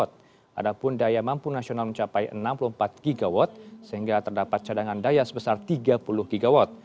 padahal daya mampu nasional mencapai enam puluh empat gigawatt sehingga terdapat cadangan daya sebesar tiga puluh gw